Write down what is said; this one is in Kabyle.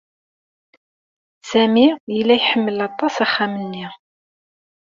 Sami yella iḥemmel aṭas axxam-nni.